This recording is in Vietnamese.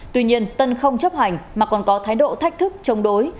tuy nhiên tân không chấp hành mà còn có thái độ thách thức chống đối